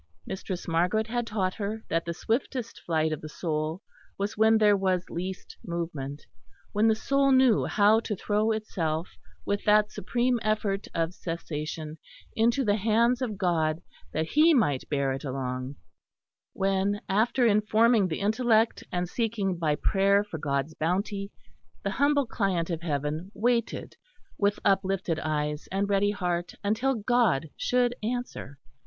Mistress Margaret had taught her that the swiftest flight of the soul was when there was least movement, when the soul knew how to throw itself with that supreme effort of cessation into the Hands of God, that He might bear it along: when, after informing the intellect and seeking by prayer for God's bounty, the humble client of Heaven waited with uplifted eyes and ready heart until God should answer.